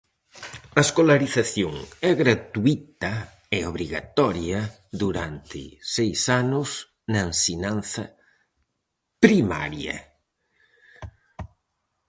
A escolarización é gratuíta e obrigatoria durante seis anos na ensinanza primaria.